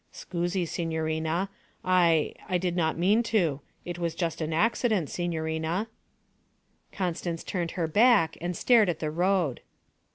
'Scusi, signorina. I I did not mean to. It was just an accident, signorina.' Constance turned her back and stared at the road.